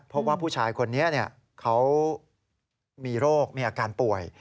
เพราะว่าผู้ชายคนนี้เขามีโรคมีอาการป่วย